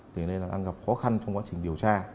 thế nên là đang gặp khó khăn trong quá trình điều tra